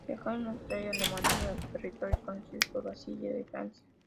Viajaron a Austria, Alemania, y a los territorios conocidos por Vasile de Francia.